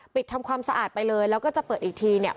ทำความสะอาดไปเลยแล้วก็จะเปิดอีกทีเนี่ย